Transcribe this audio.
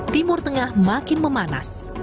timur tengah makin memanas